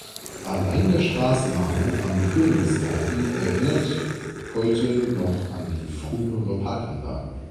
Allein der Straßenname "Am Königsgarten" erinnert heute noch an die frühere Parkanlage.